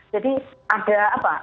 jadi ada apa